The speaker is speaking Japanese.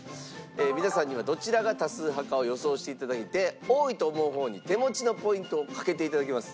皆さんにはどちらが多数派かを予想して頂いて多いと思う方に手持ちのポイントをかけて頂きます。